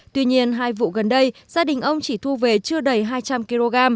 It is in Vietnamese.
tuy nhiên hai vụ gần đây gia đình ông chỉ thu về chưa đầy hai trăm linh kg